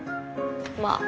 まあ。